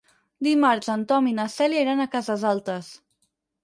Dimarts en Tom i na Cèlia iran a Cases Altes.